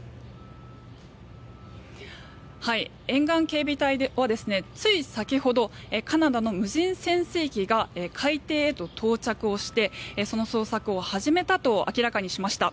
沿岸警備隊はつい先ほどカナダの無人潜水機が海底へと到着してその捜索を始めたと明らかにしました。